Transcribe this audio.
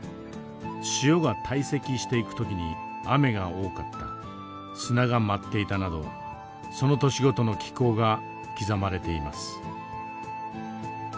塩が堆積していく時に雨が多かった砂が舞っていたなどその年ごとの気候が刻まれています。